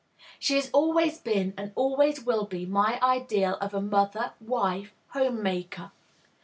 She has always been and always will be my ideal of a mother, wife, home maker.